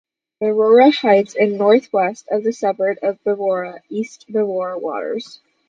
Berowra Heights is north-west of the suburb of Berowra and east of Berowra Waters.